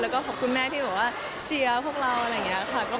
แล้วก็ขอบคุณแม่ที่แบบว่าเชียร์พวกเราอะไรอย่างนี้ค่ะ